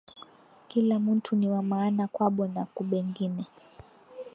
Kila muntu niwa maana kwabo na kubengine